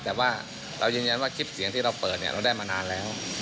แต่ว่าเรายืนยันว่าคลิปเสียงที่เราเปิดเราได้มานานแล้ว